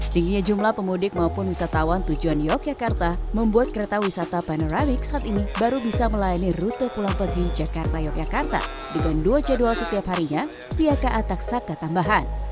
tingginya jumlah pemudik maupun wisatawan tujuan yogyakarta membuat kereta wisata panoralic saat ini baru bisa melayani rute pulang pergi jakarta yogyakarta dengan dua jadwal setiap harinya via ka taksaka tambahan